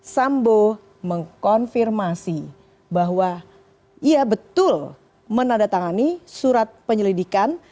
sambo mengkonfirmasi bahwa ia betul menanda tangani surat penyelidikan